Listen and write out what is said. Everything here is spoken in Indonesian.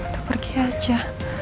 dia pergi aja